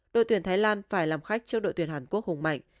đội tuyển thái lan phải làm khách trước đội tuyển hàn quốc hùng mạnh